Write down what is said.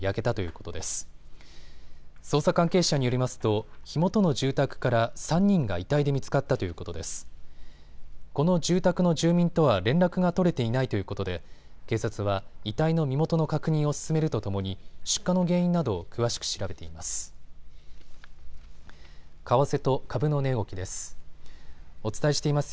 この住宅の住民とは連絡が取れていないということで警察は遺体の身元の確認を進めるとともに出火の原因などを詳しく調べています。